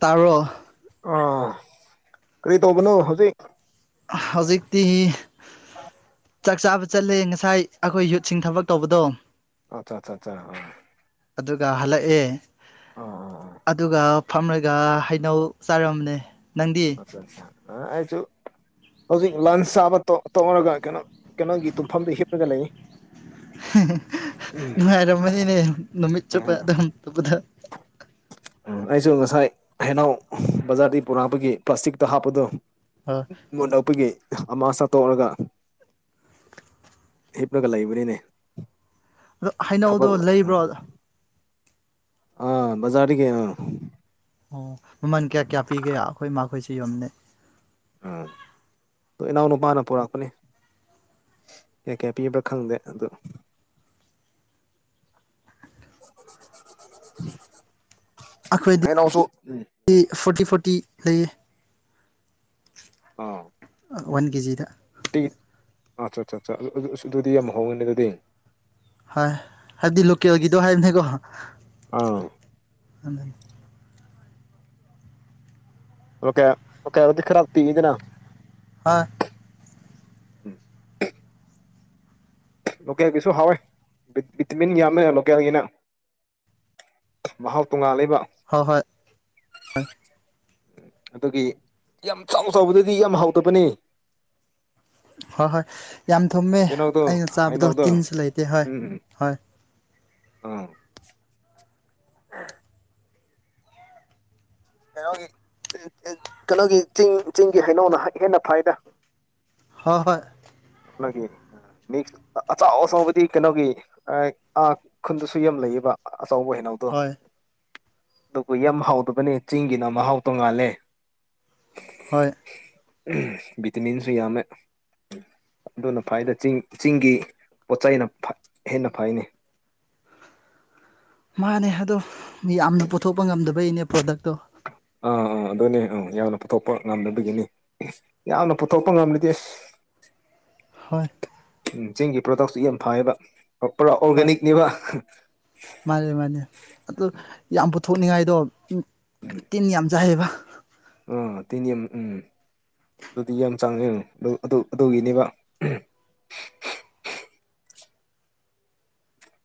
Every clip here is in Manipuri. ꯇꯔꯣ ꯑꯥ ꯀꯔꯤ ꯇꯧꯕꯅꯣ ꯍꯧꯖꯤꯛ ꯍꯧꯖꯤꯛꯇꯛꯇꯤ ꯆꯥꯛ ꯆꯥꯕ ꯆꯠꯂꯦ ꯉꯁꯥꯏ ꯑꯩꯈꯣꯏ ꯌꯨꯠꯁꯤꯡ ꯊꯕꯛ ꯇꯧꯕꯗꯣ ꯑꯆꯥ ꯑꯆꯥꯆꯥ ꯑꯆꯥ ꯍꯣꯏ ꯑꯗꯨꯒ ꯍꯜꯂꯛꯑꯦ ꯑꯗꯨꯒ ꯐꯝꯔꯒ ꯍꯩꯅꯧ ꯆꯥꯔꯝꯅꯦ ꯑꯆꯥꯆꯥ ꯑ ꯑꯆꯨ ꯍꯧꯖꯤꯛ ꯂꯟꯁ ꯆꯥꯕ ꯇꯧꯔꯒ ꯀꯩꯅꯣ ꯀꯩꯅꯣꯒꯤ ꯇꯨꯝꯐꯝꯗ ꯍꯤꯞꯂꯒ ꯂꯩ ꯎꯝ ꯅꯨꯡꯉꯥꯏꯔꯝꯃꯅꯤꯅꯦ ꯅꯨꯃꯤꯠ ꯆꯨꯞꯄ ꯎꯝ ꯑꯗꯨꯗ ꯎꯝ ꯑꯩꯁꯨ ꯉꯁꯥꯏ ꯍꯅꯥꯎ ꯕꯖꯥꯔꯗꯒꯤ ꯄꯨꯔꯛꯄꯒꯤ ꯄ꯭ꯂꯥꯁꯇꯤꯛꯇ ꯍꯥꯞꯄꯗꯣ ꯑꯣ ꯃ ꯅꯣꯛꯄꯒꯤ ꯑꯃ ꯆꯠꯇꯣꯛꯔꯒ ꯍꯤꯞꯂꯒ ꯂꯩꯕꯅꯤꯅꯦ ꯑꯗꯣ ꯊꯕꯛ ꯍꯥꯏꯩꯅꯧꯗꯣ ꯂꯩꯕ꯭ꯔꯣ ꯑꯥ ꯖꯥꯔꯒꯤ ꯑꯣ ꯃꯃꯜ ꯀꯌꯥ ꯀꯌꯥ ꯄꯤꯒꯦ ꯑꯩꯈꯣꯏ ꯃꯥꯈꯣꯏꯁꯨ ꯌꯣꯝꯗ ꯑꯝ ꯑꯣ ꯏꯅꯥꯎ ꯅꯨꯄꯥꯅ ꯄꯨꯔꯛꯄꯅꯤ ꯀꯌꯥ ꯀꯌꯥ ꯄꯤꯕ ꯈꯪꯗꯦ ꯑꯗꯨ [unintelligible] ꯑꯩꯈꯣꯏꯗꯤ ꯍꯩꯅꯧꯁꯨ ꯎꯝ ꯎꯝ ꯐꯣꯔꯇꯤ ꯐꯣꯔꯇꯤ ꯂꯩꯌꯦ ꯑ ꯋꯥꯟ ꯀꯦꯖꯤꯗ ꯀꯨꯔꯇꯤ ꯑꯠ ꯑꯠꯆꯥ ꯑ ꯑꯗꯨꯗꯤ ꯌꯥꯝ ꯍꯣꯡꯉꯅꯤ ꯑꯗꯨꯗꯤ ꯍꯣꯏ ꯍꯥꯏꯕꯗꯤ ꯂꯣꯀꯦꯜꯒꯤꯗꯣ ꯑ ꯑꯗ ꯂ ꯀ ꯀꯗꯤ ꯈꯔꯞꯇꯤ ꯏꯗꯅ ꯍꯥ ꯎꯝ ꯂꯣꯀꯦꯜꯒꯤꯁꯨ ꯍꯥꯎꯋꯦ ꯕꯤꯃꯤꯟ ꯌꯥꯝꯃꯦ ꯂꯣꯀꯦꯜꯒꯤꯅ ꯃꯍꯥꯎ ꯇꯨꯡꯉꯂꯦ ꯍꯣꯏ ꯍꯣꯏ ꯍꯣꯏ ꯎꯝ ꯑꯗꯨꯒꯤ ꯌꯥꯝ ꯆꯥꯎ ꯆꯥꯎꯕꯗꯗꯤ ꯌꯥꯝ ꯍꯥꯎꯗꯕꯅꯤ ꯍꯣꯏ ꯍꯣꯏ ꯌꯥꯝ ꯊꯨꯝꯃꯦ ꯑꯩꯅ ꯆꯥꯕꯗꯣ ꯍꯩꯅꯧꯗꯣ ꯇꯤꯟꯁꯨ ꯂꯩꯇꯦ ꯍꯣꯏ ꯎꯝ ꯍꯣꯏ ꯑꯥ ꯑ ꯀꯩꯅꯣꯒꯤ ꯀꯩꯅꯣꯒꯤ ꯆꯤꯡ ꯆꯤꯡꯒꯤ ꯍꯩꯅꯧꯅ ꯍꯦꯟꯅ ꯐꯥꯏꯅ ꯍꯣꯏ ꯍꯣꯏ ꯑꯒꯤ ꯁ ꯑꯆꯥꯎ ꯑꯆꯕꯗꯤ ꯀꯩꯅꯣꯒꯤ ꯑꯥ ꯈꯨꯟꯗꯨꯁꯨ ꯌꯥꯝ ꯂꯩꯌꯦꯕ ꯑꯆꯧꯕ ꯍꯦꯩꯅꯧꯗꯣ ꯍꯣꯏ ꯑꯗꯨꯕꯨ ꯌ ꯍꯥꯎꯗꯕꯅꯤ ꯆꯤꯡꯒꯤꯅ ꯃꯍꯥꯎ ꯇꯣꯉꯥꯜꯂꯦ ꯍꯣꯏ ꯕꯤꯇꯃꯤꯟꯁꯨ ꯌꯥꯝꯃꯦ ꯑꯗꯨꯅ ꯐꯥꯏꯗ ꯆꯤꯡ ꯆꯤꯡꯒꯤ ꯄꯣꯠꯆꯅ ꯍꯦꯟꯅ ꯐꯥꯏꯅꯤ [unintelligible] ꯃꯥꯅꯦ ꯑꯗꯣ ꯃꯤ ꯌꯥꯝꯅ ꯄꯨꯊꯣꯛꯄ ꯉꯝꯗꯕꯩꯅꯦ ꯄ꯭ꯔꯣꯗꯛꯇꯣ ꯑꯥ ꯑꯥ ꯑꯗꯨꯅꯦ ꯑꯥ ꯌꯥꯝꯅ ꯄꯨꯊꯣꯛꯄ ꯉꯝꯅꯕꯒꯤꯅꯤ ꯌꯥꯝꯅ ꯄꯨꯊꯣꯛꯄ ꯉꯝꯂꯗꯤꯦ ꯑꯁ [unintelligible] ꯍꯣꯏ ꯆꯤꯡꯒꯤ ꯄ꯭ꯔꯗꯛꯁꯨ ꯌꯥꯝ ꯐꯌꯦꯕ ꯄꯨꯔꯥ ꯍꯣꯏ ꯑꯣꯔꯒꯥꯅꯤꯛꯅꯦꯕ ꯊꯣꯛꯅꯤꯡꯉꯥꯏꯗꯣ ꯇꯤꯟ ꯌꯥꯝ ꯆꯥꯏꯑꯦꯕ ꯑ ꯊꯤꯅꯝ ꯎꯝ ꯑꯗꯨꯗꯤ ꯌꯥꯝ ꯆꯥꯡꯉ ꯑꯗꯨꯒꯤꯅꯦꯕ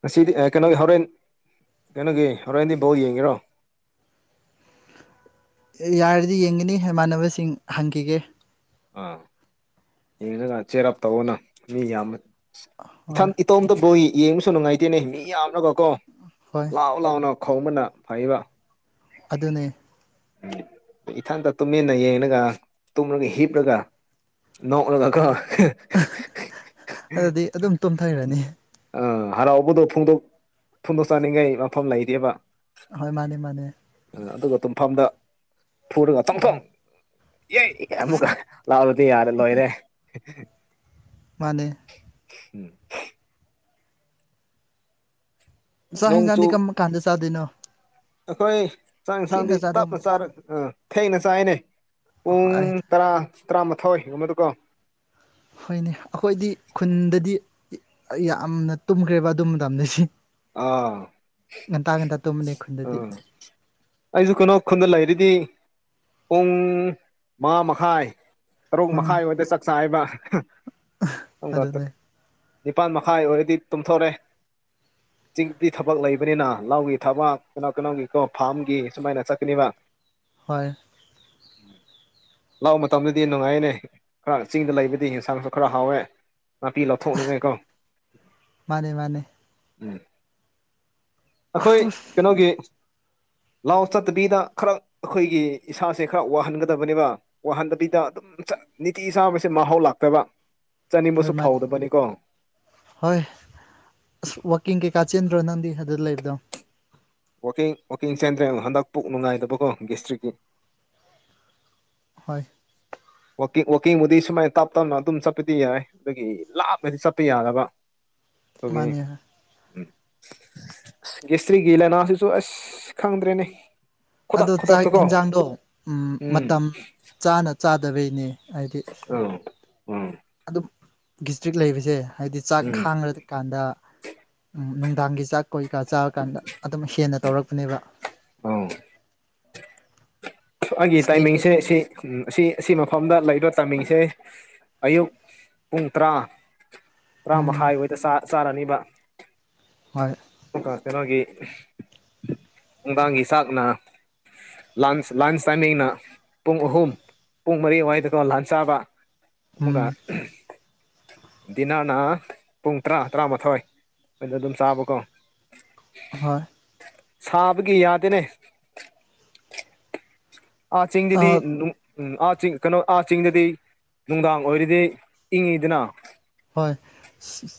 ꯉꯁꯤꯗꯤ ꯀꯩꯅꯣꯒꯤ ꯍꯣꯔꯦꯟ ꯀꯩꯅꯣꯒꯤ ꯍꯣꯔꯦꯟꯗꯤ ꯕꯧ ꯌꯦꯡꯉꯦꯔꯣ [unintelligible] ꯌꯥꯔꯗꯤ ꯌꯦꯡꯒꯅꯤ ꯏꯃꯥꯟꯅꯕꯁꯤꯡ ꯍꯪꯈꯤꯒꯦ ꯑꯥ ꯌꯦꯅꯒ ꯆꯦꯔꯞ ꯇꯧꯧꯕꯅ ꯃꯤ ꯌꯥꯝꯕ ꯏꯊ ꯍꯣꯏ ꯏꯇꯣꯝꯇ ꯕꯣꯣꯏ ꯌꯦꯡꯕꯁꯨ ꯅꯨꯡꯉꯥꯏꯇꯦꯅꯦ ꯃꯤ ꯌꯥꯝꯅꯒꯣ ꯀꯣ ꯍꯣꯏ ꯂꯥꯛꯑꯣ ꯂꯥꯛꯑꯣ ꯂꯥꯛ ꯈꯧꯃꯅ ꯐꯕ ꯑꯗꯨꯅꯦ ꯏꯊꯟꯇ ꯇꯨꯃꯤꯟꯅ ꯌꯦꯡꯉꯒ ꯇꯨꯝꯂꯒ ꯍꯤꯞꯂꯒ ꯅ ꯎꯅ ꯀ ꯑꯗꯨꯗꯤ ꯑꯗꯨꯝ ꯇꯨꯝꯊꯩꯔꯅꯤ ꯑꯥ ꯍꯔꯥꯎꯕꯗꯣ ꯐꯣꯡꯗꯣꯛ ꯐꯣꯡꯗꯣꯛꯆꯅꯤꯡꯉꯥꯏ ꯃꯐꯝ ꯂꯩꯔꯤꯕ ꯍꯣꯏ ꯃꯥꯅꯦ ꯃꯥꯅꯦ ꯃꯐꯝꯗ ꯐꯨꯔꯒ ꯆꯪꯊꯣꯡ ꯑꯦ ꯑꯃꯨꯛꯀ ꯂꯥꯛꯔꯗꯤ ꯌꯥꯔꯦ ꯂꯣꯏꯔꯦ ꯃꯅꯦ ꯎꯝ ꯅꯣꯡꯆꯨ ꯁꯍꯤꯖꯥꯟꯗꯤ ꯀꯃ ꯈꯥꯟꯗ ꯆꯥꯗꯅꯣ ꯑꯩꯈꯣꯏ ꯆꯥꯛ ꯌꯦꯟꯁꯥꯡꯗꯤ ꯇꯞꯅ ꯆꯔ ꯑ ꯊꯦꯡꯅ ꯆꯥꯏꯅꯦ ꯄꯨꯡ ꯍꯣꯏ ꯇꯔꯥ ꯇꯔꯥꯃꯥꯊꯣꯏ ꯑꯃꯗꯨꯀꯣ ꯍꯣꯏꯅꯦ ꯑꯩꯈꯣꯏꯗꯤ ꯈꯨꯟꯗꯗꯤ ꯌꯥꯝꯅ ꯇꯨꯝꯈ꯭ꯔꯦꯕ ꯑꯗꯨ ꯃꯇꯝꯗꯁꯤ ꯑꯥ ꯉꯟꯇꯥ ꯉꯟꯇꯥ ꯇꯨꯝꯕꯅꯤ ꯈꯨꯟꯗꯗꯤ ꯎꯈꯨꯟꯗ ꯂꯩꯔꯤꯗꯤ ꯄꯨꯡ ꯃꯉꯥ ꯃꯈꯥꯏ ꯇꯔꯨꯛ ꯎꯝ ꯃꯈꯥꯏ ꯑꯣꯏꯗ ꯆꯥꯛꯆꯥꯥ ꯍꯥꯏꯕ ꯑꯗꯨꯅꯦ ꯅꯤꯄꯥꯜ ꯃꯈꯥꯏ ꯑꯣꯏꯔꯗꯤ ꯇꯨꯝꯊꯣꯔꯦ ꯆꯤꯡꯗꯤ ꯊꯕꯛ ꯂꯩꯕꯅꯤꯅ ꯂꯒꯤ ꯊꯕꯛ ꯀꯅꯥꯎ ꯀꯅꯥꯧꯒꯤꯀꯣ ꯐꯥꯔꯝꯒꯤ ꯁꯨꯃꯥꯏꯅ ꯆꯠꯀꯅꯤꯕ ꯍꯣꯏ ꯎꯝ ꯂꯥꯛ ꯃꯇꯝꯗꯗꯤ ꯅꯨꯡꯉꯥꯏꯅꯦ ꯈꯔ ꯆꯤꯡꯗ ꯂꯩꯕꯗꯤ ꯑꯦꯟꯁꯥꯡꯁꯨ ꯈꯔ ꯍꯥꯎꯋꯦ ꯅꯥꯄꯤ ꯂꯧꯊꯣꯛꯂꯤꯉꯩ ꯀꯣ ꯃꯥꯅꯦ ꯃꯥꯅꯦ ꯎꯝ ꯑꯩꯈꯣꯏ ꯀꯩꯅꯣꯒꯤ ꯂꯥꯎ ꯆꯠꯇꯕꯤꯗ ꯈꯔ ꯑꯩꯈꯣꯏꯒꯤ ꯏꯁꯥꯁꯦ ꯈꯔ ꯋꯥꯍꯟꯒꯗꯕꯅꯦꯕ ꯋꯥꯍꯟꯗꯕꯤꯗ ꯑꯗꯨꯝ ꯅꯤꯇꯤ ꯁꯥꯥꯕꯁꯦ ꯃꯍꯥꯎ ꯂꯥꯛꯇꯕ ꯍꯣꯏ ꯆꯥꯅꯤꯡꯕꯁꯨ ꯃꯥꯅꯦ ꯐꯥꯎꯗꯕꯅꯤꯀꯣ ꯍꯣꯏ ꯑ ꯋꯥꯀꯤꯡ ꯀꯩ ꯀꯥꯆꯦꯟꯗ꯭ꯔꯣ ꯅꯗꯤ ꯑꯗꯨ ꯂꯩꯗ ꯋꯥꯋꯥꯛꯀꯤꯡ ꯋꯥꯋꯀꯤꯡ ꯆꯦꯟꯗ꯭ꯔꯦꯜ ꯍꯟꯗꯛ ꯄꯨꯛ ꯅꯨꯡꯉꯥꯏꯗꯕꯀꯣ ꯒꯁꯇ꯭ꯔꯤꯛꯀꯤ ꯍꯣꯏ ꯋꯥꯀꯤꯡ ꯋꯥꯋꯥꯛꯀꯤꯡꯕꯨꯗꯤ ꯁꯨꯃꯥꯏꯅ ꯇꯞ ꯇꯞꯅ ꯑꯗꯨꯝ ꯆꯠꯄꯗꯤ ꯌꯥꯏ ꯑꯗꯨꯗꯒꯤ ꯂꯥꯞꯅꯗꯤ ꯆꯠꯄ ꯌꯥꯗꯕ ꯍ ꯃꯥꯅꯦ ꯦꯁꯔꯤꯒꯂꯅꯥ ꯑꯗꯨꯁꯨ ꯑꯁ ꯈꯪꯗ꯭ꯔꯦꯅꯦ ꯈꯨꯗꯛ ꯑꯗꯣ ꯆꯥꯛ ꯈꯨꯗꯛꯇꯀꯣ ꯌꯦꯟꯖꯥꯡꯗꯣ ꯎꯝ ꯃꯇꯝ ꯆꯥꯅ ꯆꯥ ꯇꯕꯩꯅꯦ ꯍꯥꯏꯗꯤ ꯑꯥ ꯎꯝ ꯑꯗꯨꯝ ꯗꯤꯁꯇ꯭ꯔꯤꯛ ꯂꯩꯕꯁꯦ ꯍꯥꯏꯗꯤ ꯆꯥꯛ ꯎꯝ ꯈꯥꯡꯈ꯭ꯔ ꯀꯥꯟꯗ ꯎꯝ ꯅꯨꯡꯗꯥꯡꯒꯤ ꯆꯥꯛ ꯀꯣꯩꯀꯥ ꯆꯥꯔꯀꯥꯟꯗ ꯑꯗꯨꯝ ꯍꯦꯟꯅ ꯇꯧꯔꯛꯄꯅꯦꯕ ꯑꯥ ꯑꯩꯒꯤ ꯑꯁ ꯂꯩꯈ꯭ꯔꯗꯤ ꯇꯥꯏꯃꯤꯡꯁꯦ ꯁꯤ ꯑꯁꯤ ꯑꯁꯤ ꯃꯐꯝꯗ ꯂꯩꯕ ꯇꯥꯏꯃꯤꯡꯁꯦ ꯑꯌꯨꯛ ꯄꯨꯡ ꯇꯔꯥ ꯇꯔꯥ ꯎꯝ ꯃꯈꯥꯏ ꯍꯗ ꯆꯥꯔꯅꯤꯕ ꯍꯣꯏ ꯀꯩꯅꯣꯒꯤ ꯅꯨꯡꯗꯥꯡꯒꯤ ꯆꯥꯛꯅ ꯂꯥꯟꯁ ꯂꯥꯟꯁ ꯇꯥꯏꯃꯤꯡꯅ ꯄꯨꯡ ꯑꯍꯨꯝ ꯄꯨꯡ ꯃꯔꯤ ꯑꯗꯨꯋꯥꯏꯗꯀꯣ ꯂꯥꯟ ꯆꯥꯕ ꯑꯃꯀ ꯎꯝ ꯗꯤꯟꯅꯔꯅ ꯄꯨꯡ ꯇꯔꯥ ꯇꯔꯥꯃꯥꯊꯣꯏ ꯑꯗꯨꯗ ꯑꯗꯨꯝ ꯆꯥꯕꯀꯣ ꯍꯣꯏ ꯁꯥꯕꯒꯤ ꯌꯥꯗꯦꯅꯦ ꯑ ꯆꯤꯡꯗꯗꯗꯤ ꯑꯥ ꯎꯝ ꯑꯥ ꯆꯤꯡ ꯀꯩꯅꯣ ꯑꯥ ꯆꯤꯡꯗꯗꯤ ꯅꯨꯡꯗꯥꯡ ꯑꯣꯏꯔꯤꯗꯤ ꯏꯪꯉꯤꯗꯅ ꯍꯣꯏ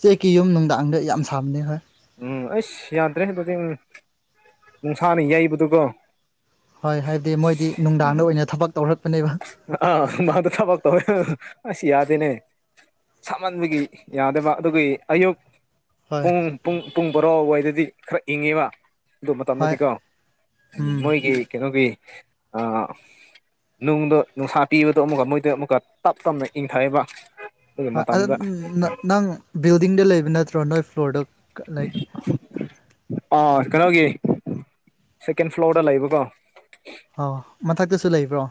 ꯆꯦꯛꯀꯤ ꯌꯨꯝ ꯅꯨꯡꯗꯥꯡꯗ ꯌꯥꯝ ꯁꯥꯕꯅꯦ ꯍꯣꯏ ꯎꯝ ꯑꯩꯁ ꯌꯥꯗ꯭ꯔꯦ ꯑꯗꯨꯗꯤꯡ ꯅꯨꯡꯁꯥꯅ ꯌꯩꯕꯗꯨꯒꯣ ꯍꯣꯏ ꯍꯥꯏꯕꯗꯤ ꯃꯣꯏꯗꯤ ꯅꯨꯡꯗꯥꯡꯗ ꯑꯣꯏꯅ ꯊꯕꯛ ꯇꯧꯔꯛ ꯑꯥ ꯃꯥꯗꯨ ꯊꯕ ꯇ ꯑꯁꯤ ꯌꯥꯗꯅꯦ ꯁꯥꯃꯟꯕꯒꯤ ꯌꯥꯗꯕ ꯑꯗꯨꯒꯤ ꯑꯌꯨꯛ ꯍꯣꯏ ꯄꯨꯡ ꯄꯨꯡ ꯄꯨꯡ ꯕꯔꯣ ꯑꯗꯨꯋꯥꯏꯗꯗꯤ ꯈꯔ ꯏꯪꯉꯤꯕ ꯑꯗꯨ ꯍꯣꯏ ꯃꯇꯝꯗꯗꯤꯀꯣ ꯎꯝ ꯃꯣꯏꯒꯤ ꯀꯩꯅꯣꯒꯤ ꯑ ꯅꯨꯡꯗꯣ ꯅꯨꯡꯁꯥ ꯄꯤꯕꯗꯣ ꯑꯃꯨꯛꯀ ꯃꯣꯏꯗ ꯑꯃꯨꯛꯀ ꯇꯞ ꯇꯞꯅ ꯏꯪꯊꯕ ꯅꯪ ꯕꯤꯜꯗꯤꯡꯗ ꯂꯩꯕ ꯅꯠꯇ꯭ꯔꯣ ꯅꯣꯏꯠ ꯐ꯭ꯂꯣꯔꯗ ꯀ ꯂꯩ ꯑꯥ ꯀꯩꯅꯣꯒꯤ ꯁꯦꯀꯦꯟ ꯐ꯭ꯂꯣꯔꯗ ꯂꯩꯕꯀꯣ ꯑ ꯃꯊꯛꯇꯁꯨ ꯂꯩꯕ꯭ꯔꯣ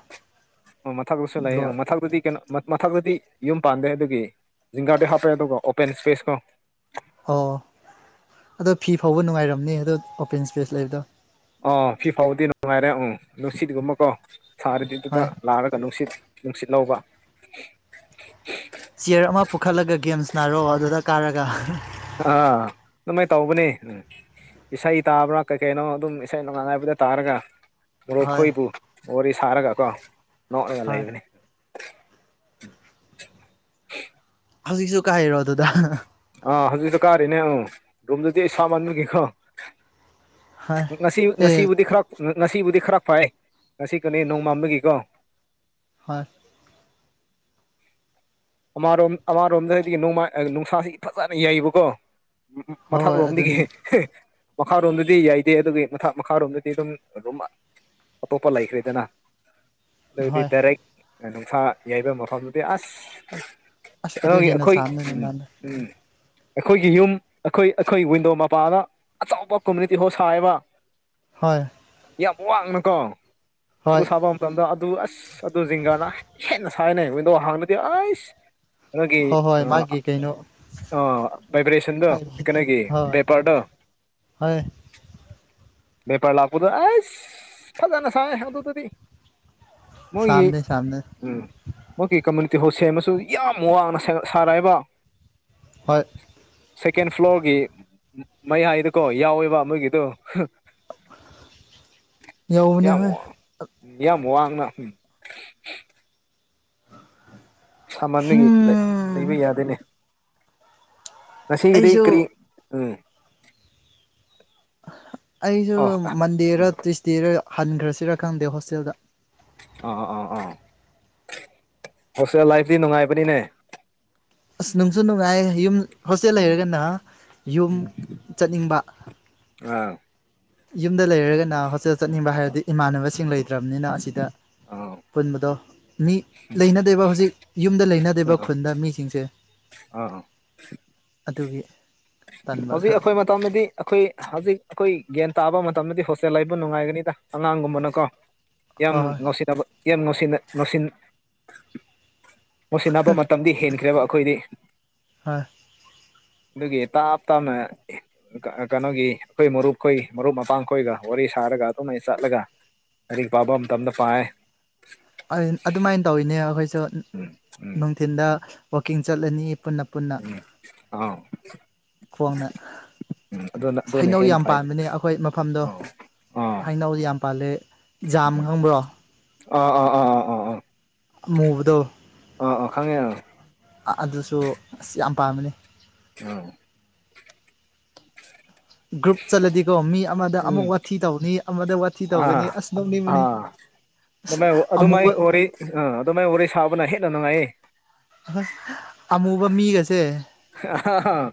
ꯑꯣ ꯃꯊꯛꯇꯁꯨ ꯂꯩꯑꯌꯦ ꯕ꯭ꯂꯣꯔ ꯃꯊꯛꯇꯗꯤ ꯀꯩꯅꯣ ꯃꯊꯛꯛꯇꯗꯤ ꯌꯨꯝ ꯄꯥꯟꯗꯦ ꯑꯗꯨꯒꯤ ꯖꯤꯡꯒꯥꯔꯗꯤ ꯍꯥꯞꯄꯦ ꯑꯗꯨꯒ ꯑꯣꯄꯦꯟ ꯏꯁꯄꯦꯁ ꯀꯣ ꯑꯣ ꯑꯗꯣ ꯐꯤ ꯐꯥꯎꯕ ꯅꯨꯡꯉꯥꯏꯔꯝꯅꯤ ꯑꯗꯣ ꯑꯣꯄꯦꯟ ꯏꯁꯄꯦꯁ ꯂꯩꯕꯗꯣ ꯑꯥ ꯐꯤ ꯐꯥꯎꯕꯗꯤ ꯅꯨꯡꯉꯥꯏꯔꯦ ꯎꯝ ꯅꯨꯡꯁꯤꯠꯒꯨꯝꯕꯀꯣ ꯁꯥꯔꯤꯗꯤꯗꯨꯗ ꯍꯣꯏ ꯂꯥꯛꯑꯒ ꯅꯨꯡꯁꯤꯠ ꯅꯨꯡꯁꯤꯠ ꯂꯧꯕ ꯅꯥꯔꯛꯑꯣ ꯑꯗꯨꯗ ꯀꯥꯔꯒ ꯑꯥ ꯑꯗꯨꯃꯥꯏ ꯇꯧꯕꯅꯦ ꯏꯁꯩ ꯇꯥꯕ꯭ꯔꯥ ꯀꯩ ꯀꯩꯅꯣ ꯑꯗꯨꯝ ꯏꯁꯩ ꯅꯣꯡꯉꯥꯟ ꯍꯥꯏꯕꯗ ꯇꯥꯔꯒ ꯍꯣꯏ ꯉꯣꯛꯈꯣꯏꯕꯨ ꯋꯥꯔꯤ ꯁꯥꯔꯒ ꯀꯣ ꯅꯣꯛꯂꯒ ꯂꯩꯕꯅꯤ ꯎꯝ [unintelligible] ꯍꯧꯖꯤꯛꯁꯨ ꯀꯥꯏꯔꯣ ꯑꯗꯨꯗ ꯑꯥ ꯍꯧꯖꯤꯛꯁꯨ ꯀꯥꯔꯤꯅꯦ ꯑ ꯔꯨꯝꯗꯗꯤ ꯑꯩ ꯁꯥ ꯃꯟꯨꯈꯤꯀꯣ ꯍꯣꯏ ꯅꯁꯤꯕ ꯑꯦ ꯅꯁꯤꯕꯗꯤ ꯈꯔꯣ ꯉꯁꯤꯕꯨꯗꯤ ꯈꯔ ꯐꯥꯏ ꯉꯁꯤ ꯀꯅꯦ ꯅꯣꯡꯃꯗꯒꯤꯀꯣ ꯍꯣꯏ ꯑꯃꯔꯣꯝ ꯑꯃꯔꯣꯝꯗ ꯍꯥꯏꯗꯤ ꯅꯣꯡꯃꯥꯏ ꯅꯨꯡꯁꯥꯁꯤ ꯐꯖꯅ ꯌꯩꯕꯀꯣ ꯍꯣꯏ ꯃꯊꯥꯛ ꯍꯣꯏ ꯂꯣꯝꯗꯒꯤ ꯑꯗꯨꯅꯤ ꯃꯈꯥꯔꯣꯝꯗꯗꯤ ꯌꯥꯏꯗꯦ ꯑꯗꯨꯒꯤ ꯃꯊ ꯃꯈꯥꯔꯣꯝꯗꯗꯤ ꯑꯗꯨꯝ ꯑꯗꯨꯝ ꯑꯇꯣꯞꯄ ꯂꯩꯈ꯭ꯔꯔꯤꯗꯅ ꯑꯗꯨꯗꯤ ꯍꯣꯏ ꯗꯥꯏꯔꯦꯛ ꯅꯨꯡꯁꯥ ꯌꯩꯕ ꯃꯐꯝꯗꯨꯗꯤ ꯑꯁ ꯑꯁ ꯑꯗꯨ ꯀꯩꯅꯣꯒꯤ ꯍꯦꯟꯅ ꯑꯩꯈꯣꯏ ꯁꯥꯝꯗꯅ ꯎꯝ ꯅꯍꯥꯟꯗ ꯎꯝ ꯑꯩꯈꯣꯏꯒꯤ ꯌꯨꯝ ꯑꯩꯈꯣꯏ ꯑꯩꯈꯣꯏꯒꯤ ꯋꯤꯟꯗꯣ ꯃꯄꯥꯗ ꯑꯆꯧꯕ ꯀꯝꯃꯨꯅꯤꯇꯤ ꯍꯣꯜ ꯁꯥꯕ ꯍꯣꯏ ꯌꯥꯝ ꯋꯥꯡꯅꯀꯣ ꯍꯣꯏ ꯑꯗꯨ ꯁꯥꯕ ꯃꯇꯝꯗ ꯑꯗꯨ ꯑꯁ ꯑꯗꯨ ꯖꯤꯡꯒꯥꯅ ꯍꯦꯟꯅ ꯁꯥꯏꯅꯩꯡ ꯃꯣꯏꯗꯣ ꯍꯍꯥꯡꯗꯗꯤ ꯑꯩꯁ ꯑꯒꯤ ꯍꯣꯏ ꯍꯣꯏ ꯑ ꯃꯥꯒꯤ ꯀꯩꯅꯣ ꯑ ꯚꯏꯕ꯭ꯔꯦꯁꯟꯗꯣ ꯀꯩꯅꯒꯤ ꯍꯣꯏ ꯕꯄꯔꯗꯣ ꯍꯣꯏ ꯦꯄꯔ ꯂꯥꯛꯄꯗ ꯑꯩꯁ ꯁꯖꯅ ꯁꯥꯏ ꯑꯗꯨꯗꯗꯤ ꯃꯒꯤ ꯁꯥꯝꯅꯩ ꯁꯥꯝꯅꯩ ꯎꯝ ꯃꯒꯤ ꯀꯃꯜ ꯇꯤꯍꯣꯠ ꯁꯦꯝꯃꯁꯨ ꯌꯥꯝ ꯋꯥꯡꯅ ꯁꯥꯔꯑꯕ ꯍꯣꯏ ꯁꯦꯀꯦꯟ ꯐ꯭ꯂꯣꯔꯒꯤ ꯃꯩ ꯍꯥꯏꯗꯀꯣ ꯌꯥꯎꯋꯦꯕ ꯃꯣꯏꯒꯤꯗꯣ ꯌꯥꯎꯕꯅꯦ ꯌꯥꯝ ꯍꯣꯏ ꯌꯥꯝ ꯋꯥꯡꯅ ꯁꯃꯒꯤ ꯂꯩꯕ ꯍꯝ ꯌꯥꯗꯦꯅꯦ ꯅꯁꯤ ꯏꯔꯤ ꯑꯩꯁꯨ ꯀ꯭ꯔꯤ ꯎꯝ ꯑꯩꯁꯨ ꯑꯣ ꯃꯟꯗꯦꯔ ꯎꯝ ꯇ꯭ꯋꯏꯁꯗꯦꯔ ꯍꯟꯈ꯭ꯔꯁꯤꯔ ꯈꯪꯗꯦ ꯍꯣꯁꯇꯦꯜꯗ ꯑ ꯑꯥ ꯑꯥ ꯍꯣꯁꯇꯦꯜ ꯂꯥꯏꯐꯗꯤ ꯅꯨꯡꯉꯥꯏꯕꯅꯤꯅꯦ ꯑꯁ ꯅꯨꯡꯁꯨ ꯅꯨꯡꯉꯥꯏ ꯌꯨꯝ ꯍꯣꯁꯇꯦꯜ ꯎꯝ ꯂꯩꯔꯒꯅ ꯌꯨꯝ ꯆꯠꯅꯤꯡꯕ ꯑꯥ ꯌꯨꯝꯗ ꯂꯩꯔꯒꯅ ꯍꯣꯁꯇꯦꯜ ꯆꯠꯅꯤꯡꯕ ꯍꯥꯏꯔꯗꯤ ꯏꯃꯥꯟꯅꯕꯁꯤꯡ ꯂꯩꯇ꯭ꯔꯕꯅꯤꯅ ꯑꯁꯤꯗ ꯑꯥ ꯄꯨꯟꯕꯗꯣ ꯃꯤ ꯂꯩꯅꯗꯦꯕ ꯍꯧꯖꯤꯛ ꯌꯨꯝꯗ ꯂꯩꯅꯗꯦꯕ ꯈꯨꯟꯗ ꯃꯤꯁꯤꯡꯁꯦ ꯑ ꯑꯗꯨꯒꯤ ꯇꯟꯕ ꯍꯧꯖꯤꯛ ꯈꯔ ꯑꯩꯈꯣꯏ ꯃꯇꯝꯗꯗꯤ ꯑꯩꯈꯣꯏ ꯍꯧꯖꯤꯛ ꯑꯩꯈꯣꯏ ꯒ꯭ꯌꯥꯟ ꯇꯥꯕ ꯃꯇꯝꯗꯗꯤ ꯍꯣꯁꯇꯦꯜ ꯂꯩꯕꯨ ꯅꯨꯡꯉꯥꯏꯒꯅꯤꯗ ꯑꯉꯥꯡꯒꯨꯝꯕꯅꯀꯣ ꯌꯥꯝ ꯍꯣꯏ ꯍꯣꯏ ꯅꯅꯨꯡꯁꯤ ꯌꯥꯝ ꯅꯅꯨꯡꯁꯤ ꯅꯁꯤꯟ ꯃꯁꯤꯟꯅꯕ ꯃꯇꯝꯗꯤ ꯍꯦꯟꯈ꯭ꯔꯦꯕ ꯑꯩꯈꯣꯏꯗꯤ ꯍꯥꯣꯏ ꯑꯗꯨꯒꯤ ꯇꯥꯞ ꯇꯞꯃꯦ ꯀꯩꯅꯣꯒꯤ ꯑꯩꯈꯣꯏ ꯃꯔꯨꯞꯈꯣꯏ ꯃꯔꯨꯞ ꯃꯄꯥꯡꯈꯣꯏꯒ ꯋꯥꯔꯤ ꯁꯥꯔꯒ ꯑꯗꯨꯝꯅ ꯑꯩ ꯆꯠꯂꯒ ꯑꯔꯤꯛ ꯄꯥꯕ ꯑꯃꯇꯅ ꯄꯥ ꯑꯗꯨꯃꯥꯏꯅ ꯇꯧꯋꯤꯅꯦ ꯑꯩꯈꯣꯏꯁꯨ ꯎꯝ ꯎꯝ ꯅꯨꯡꯊꯤꯤꯟꯗ ꯋꯥꯛꯀꯤꯡ ꯆꯠꯂꯅꯤ ꯎꯝ ꯑꯥꯎ ꯈꯨꯋꯥꯡꯅ ꯎꯝ ꯑꯗꯨꯅ ꯑꯗꯨꯅ ꯍꯩꯅꯧ ꯍꯦꯟꯅ ꯌꯥꯝ ꯐꯩꯗ ꯄꯅꯦ ꯑꯩꯈꯣꯏ ꯃꯐꯝꯗꯣ ꯑꯥ ꯑꯥ ꯍꯩꯅꯧꯗ ꯌꯥꯝ ꯄꯂꯦ ꯖꯥꯝ ꯈꯪꯕ꯭ꯔꯣ ꯑ ꯑ ꯑ ꯑ ꯑ ꯑ ꯃꯨꯕꯗ ꯑꯥ ꯑ ꯈꯪꯉꯦ ꯑꯣ ꯑꯗꯨꯁꯨ ꯑꯁ ꯌꯥꯝ ꯄꯥꯝꯝꯕꯅꯤ ꯎꯝ ꯒ꯭ꯔꯨꯞ ꯆꯠꯂꯗꯤꯀꯣ ꯃꯤ ꯑꯃꯗ ꯎꯝ ꯑꯃꯨꯛ ꯋꯥꯊꯤ ꯇꯧꯅꯤ ꯑꯃꯗ ꯋꯥꯊꯤ ꯇꯧꯒꯅꯤ ꯑꯥ ꯑꯁ ꯅꯧꯅꯤꯡꯕꯅꯤ ꯑꯥ ꯑꯗꯨꯃꯥꯏ ꯑꯗꯨꯃꯥꯏ ꯋꯥꯔꯤ ꯑ ꯑꯗꯨꯃꯥꯏ ꯋꯥꯔꯤ ꯁꯥꯕꯅ ꯍꯦꯟꯅ ꯅꯨꯡꯉꯥꯏ ꯑ ꯑꯃꯨꯕ ꯃꯤꯒꯁꯦ ꯑꯥ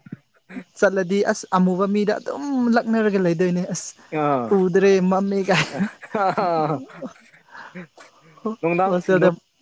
ꯆꯠꯂꯗꯤ ꯑꯁ ꯑꯃꯨꯕ ꯃꯤꯗ ꯑꯗꯨꯝ ꯂꯛꯅꯔꯒ ꯂꯩ ꯗꯣꯏꯅꯦ ꯑꯁ ꯑꯥ ꯎꯗ꯭ꯔꯦ ꯃꯝꯃꯦꯒ ꯅꯨꯡꯗꯥꯡ